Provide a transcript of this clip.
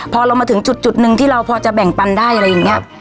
พอเรามาถึงจุดหนึ่งที่เราพอจะแบ่งปันได้อะไรอย่างนี้